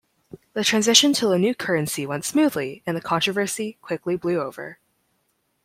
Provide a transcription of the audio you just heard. The transition to the new currency went smoothly and the controversy quickly blew over.